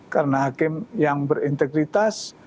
karena hakim yang berintegritas